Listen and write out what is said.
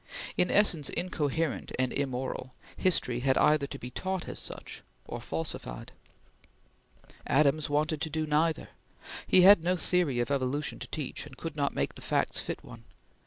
In essence incoherent and immoral, history had either to be taught as such or falsified. Adams wanted to do neither. He had no theory of evolution to teach, and could not make the facts fit one.